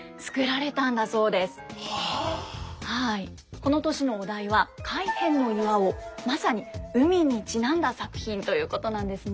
この年のお題は「海辺巖」まさに海にちなんだ作品ということなんですね。